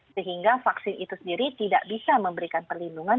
sehingga vaksin itu sendiri tidak bisa memberikan perlindungan